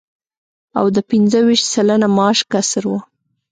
او د پنځه ویشت سلنه معاش کسر و